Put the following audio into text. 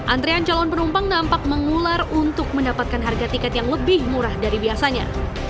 antrean calon penumpang nampak mengular untuk mendapatkan harga tiket yang lebih murah dari biasanya